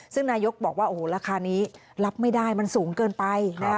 ซึ่งนายกบอกว่าโอ้โหราคานี้รับไม่ได้มันสูงเกินไปนะคะ